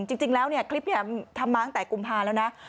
จริงแล้วคลิปนี้ทำมาตั้งแต่กุมภาแล้วนะ